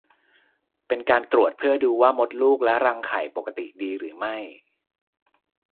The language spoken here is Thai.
เป็นการตรวจเพื่อดูว่ามดลูกและรังไข่ปกติดีหรือไม่